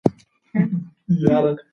کوم عالم د انساني اړیکو خبره کړې ده؟